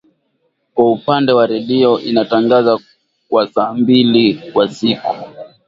Kwa upande wa redio inatangaza kwa saa mbili kwa siku